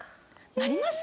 なります？